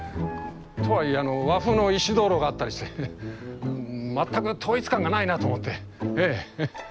とはいえ和風の石灯籠があったりして全く統一感がないなと思って。